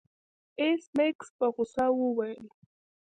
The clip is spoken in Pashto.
ایس میکس په غوسه وویل